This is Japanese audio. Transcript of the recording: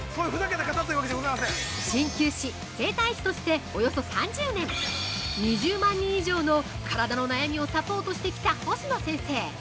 鍼灸師、整体師としておよそ３０年２０万人以上の体の悩みをサポートしてきた星野先生。